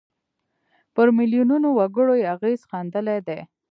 پر میلیونونو وګړو یې اغېز ښندلی دی.